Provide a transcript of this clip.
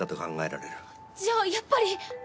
じゃあやっぱり！